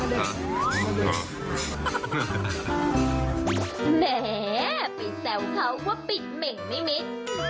แหมไปแซวเขาว่าปิดเหม่งนิมิตร